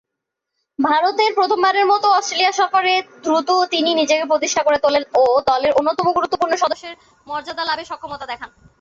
ভারতের প্রথমবারের মতো অস্ট্রেলিয়া সফরে দ্রুত তিনি নিজেকে প্রতিষ্ঠিত করে তোলেন ও দলের অন্যতম গুরুত্বপূর্ণ সদস্যের মর্যাদা লাভে সক্ষমতা দেখান।